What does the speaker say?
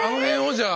じゃあ。